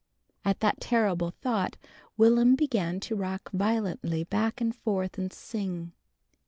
_" At that terrible thought Will'm began to rock violently back and forth and sing.